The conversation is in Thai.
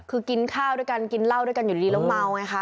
คือกินข้าวด้วยกันกินเหล้าด้วยกันอยู่ดีแล้วเมาไงคะ